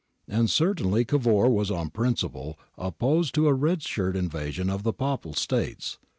And certainly Cavour was on principle op posed to a red shirt invasion of the Papal States.